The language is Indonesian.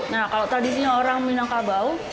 nah kalau tradisinya orang minangkabau